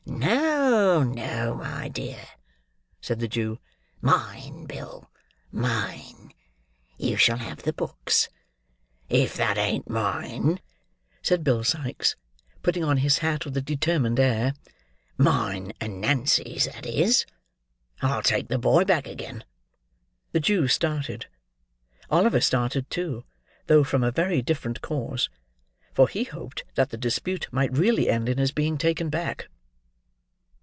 "No, no, my dear," said the Jew. "Mine, Bill, mine. You shall have the books." "If that ain't mine!" said Bill Sikes, putting on his hat with a determined air; "mine and Nancy's that is; I'll take the boy back again." The Jew started. Oliver started too, though from a very different cause; for he hoped that the dispute might really end in his being taken back.